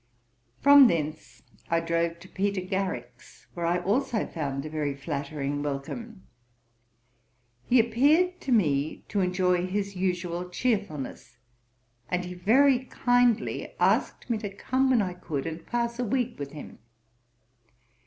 From thence I drove to Peter Garrick's, where I also found a very flattering welcome. He appeared to me to enjoy his usual chearfulness; and he very kindly asked me to come when I could, and pass a week with him.